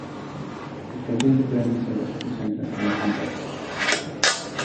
It contains the Currambine Central shopping centre and cinema complex.